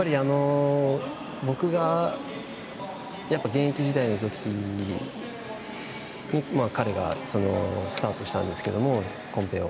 僕が現役時代の時彼がスタートしたんですけどコンペを。